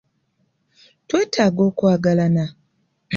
Twetaaga okwagalana.